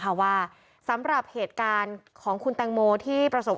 ตำรวจแห่งชาติบอกเลยนะคะว่าสำหรับเหตุการณ์ของคุณแตงโมที่ประสบ